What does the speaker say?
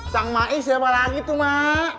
changmai siapa lagi tuh mak